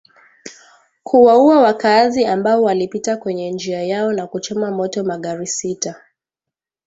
kuwaua wakaazi ambao walipita kwenye njia yao na kuchoma moto magari sita